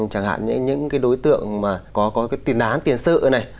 chẳng hạn như những cái đối tượng mà có cái tiền án tiền sự này